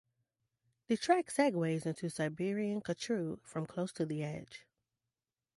The track segues into "Siberian Khatru" from "Close to the Edge".